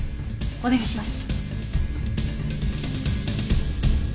お願いします。